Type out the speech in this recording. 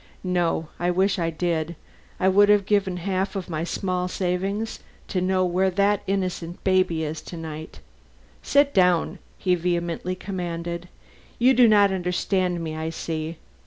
"No. I wish I did. I would give half of my small savings to know where that innocent baby is to night. Sit down!" he vehemently commanded. "You do not understand me, I see.